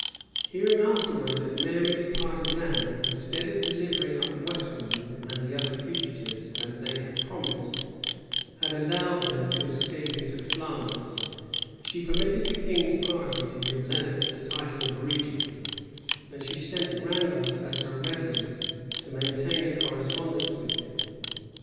Hearing afterwards that Mary's partisans, instead of delivering up Westmoreland and the other fugitives, as they had promised, had allowed them to escape into Flanders, she permitted the king's party to give Lenox the title of regent,[*] and she sent Randolph, as her resident, to maintain a correspondence with him.